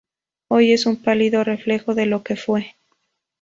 Hoy es un pálido reflejo de lo que fue.